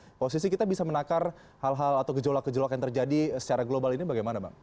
tapi posisi kita bisa menakar hal hal atau gejolak gejolak yang terjadi secara global ini bagaimana bang